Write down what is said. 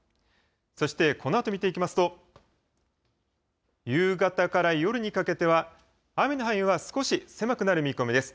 そしてこのあと見ていきますと、夕方から夜にかけては、雨の範囲は少し狭くなる見込みです。